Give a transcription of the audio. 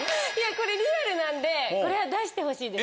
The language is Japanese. これリアルなんでこれは出してほしいです。